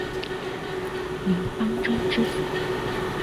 林邦桢之子。